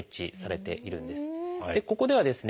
ここではですね